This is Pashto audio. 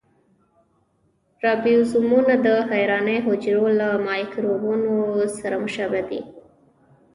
رایبوزومونه د حیواني حجرو له مایکروزومونو سره مشابه دي.